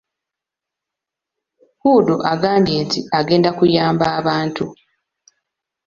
Hudu agambye nti agenda kuyamba abantu.